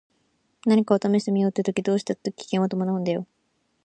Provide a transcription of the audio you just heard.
何かを試してみようって時どうしたって危険は伴うんだよ。